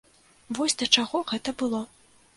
Вось да чаго гэта было.